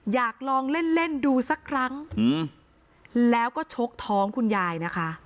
อยากลองเล่นเล่นดูสักครั้งแล้วก็ชกท้องคุณยายนะคะ